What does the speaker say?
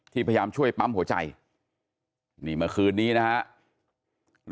ที่พยายามช่วยปั๊มหัวใจมาคืนนี้นะฮะ